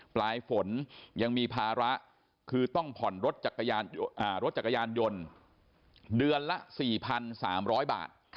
ปลายฝนยังมีภาระคือต้องผ่อนรถจักรยานยนต์เดือนละ๔๓๐๐บาท